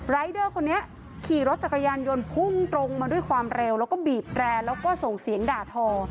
เดอร์คนนี้ขี่รถจักรยานยนต์พุ่งตรงมาด้วยความเร็วแล้วก็บีบแรร์แล้วก็ส่งเสียงด่าทอ